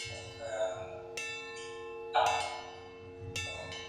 Su seiyū es Minori Matsushima.